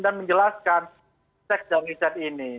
dan menjelaskan seks dan riset ini